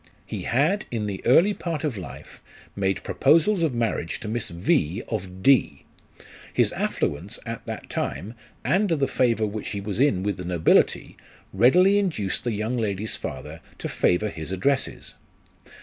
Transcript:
1 He had in the early part of life made proposals of marriage to Miss V , of D : his affluence at that time, and the favour which he was in with the nobility, readily induced the young lady's father to favour his addresses.